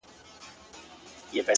• د ښکلي شمعي له انګار سره مي نه لګیږي,